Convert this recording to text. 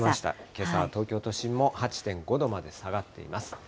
けさは東京都心も８．５度まで下がっています。